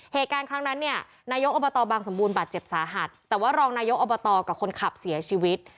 เหตุการณ์ครั้งนั้นเนี่ยนายกอบตบางสมบูรณ์บาดเจ็บสาหัสแต่ว่ารองนายกอบตกับคนขับเสียชีวิต